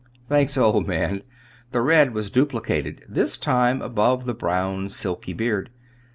"Thanks, old man." The red was duplicated this time above the brown silky beard.